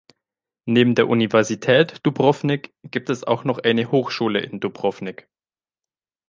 Neben der Universität Dubrovnik gibt es auch noch eine Hochschule in Dubrovnik.